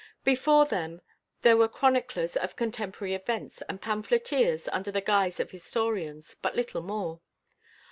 Before them there were chroniclers of contemporary events and pamphleteers under the guise of historians, but little more.